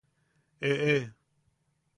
¡Eʼe!